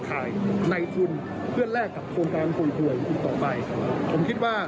ขายในทุนเพื่อแลกกับโครงการห่วยอีกต่อไปผมคิดว่า